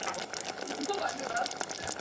同治三年逝世。